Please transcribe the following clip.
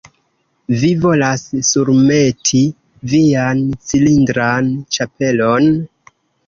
Vi volas surmeti vian cilindran ĉapelon?